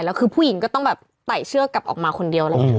แล้วคือผู้หญิงก็ต้องแบบไต่เชือกกลับออกมาคนเดียวแล้ว